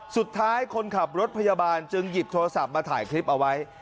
คนขับรถพยาบาลจึงหยิบโทรศัพท์มาถ่ายคลิปเอาไว้